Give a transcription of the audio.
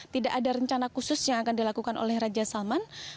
tidak ada rencana khusus yang akan dilakukan oleh raja salman